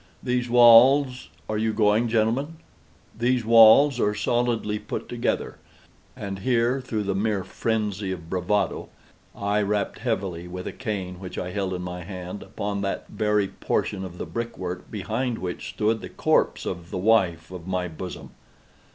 These walls—are you going, gentlemen?—these walls are solidly put together;" and here, through the mere phrenzy of bravado, I rapped heavily, with a cane which I held in my hand, upon that very portion of the brick work behind which stood the corpse of the wife of my bosom.